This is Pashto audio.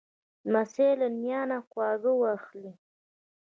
لمسی له نیا نه خواږه واخلې.